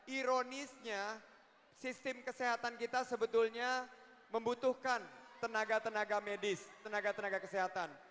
ironisnya sistem kesehatan kita sebetulnya membutuhkan tenaga tenaga medis tenaga tenaga kesehatan